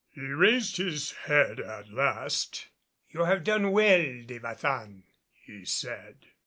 He raised his head at last. "You have done well, De Baçan," he said.